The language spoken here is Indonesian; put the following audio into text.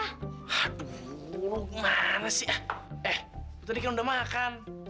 aduh manas ya eh lu tadi kan udah makan